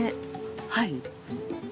はい。